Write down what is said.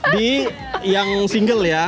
di yang single ya